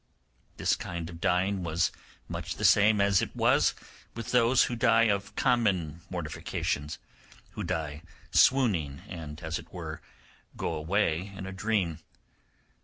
This kind of dying was much the same as it was with those who die of common mortifications, who die swooning, and, as it were, go away in a dream.